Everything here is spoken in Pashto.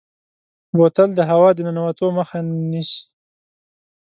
بوتل د هوا د ننوتو مخه نیسي.